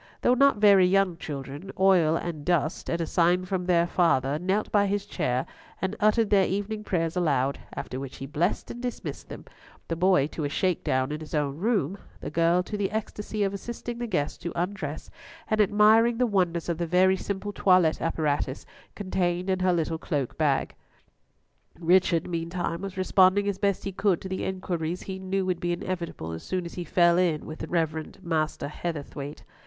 Though not very young children, Oil and Dust, at a sign from their father, knelt by his chair, and uttered their evening prayers aloud, after which he blessed and dismissed them—the boy to a shake down in his own room, the girl to the ecstasy of assisting the guest to undress, and admiring the wonders of the very simple toilette apparatus contained in her little cloak bag. Richard meantime was responding as best he could to the inquiries he knew would be inevitable as soon as he fell in with the Reverend Master Heatherthwayte.